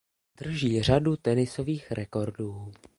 Drží řadu tenisových rekordů.